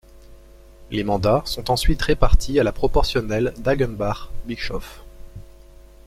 Les mandats sont ensuite répartis à la proportionnelle d'Hagenbach-Bischoff.